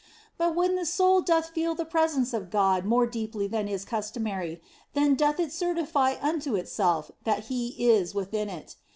But when the soul doth feel the presence of God more deeply than is customary, then doth it certify unto itself that He is within it.